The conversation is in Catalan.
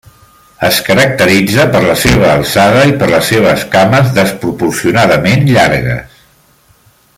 Es caracteritza per la seva alçada i per les seves cames desproporcionadament llargues.